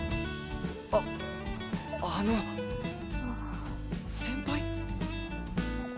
ああの先輩？